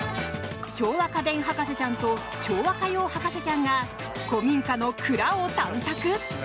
昭和家電博士ちゃんと昭和歌謡博士ちゃんが古民家の蔵を探索。